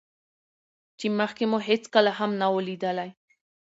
چې مخکې مو هېڅکله هم نه وو ليدلى.